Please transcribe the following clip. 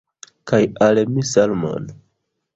Kaj al mi salmon.